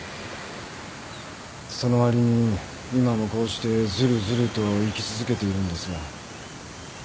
そのわりに今もこうしてずるずると生き続けているんですが。